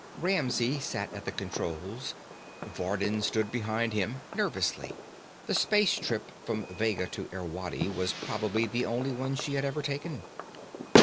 Ramsey sat at the controls. Vardin stood behind him nervously. The space trip from Vega to Irwadi was probably the only one she had ever taken.